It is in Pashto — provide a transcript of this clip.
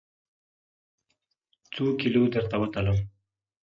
څوکیلو درته وتلم؟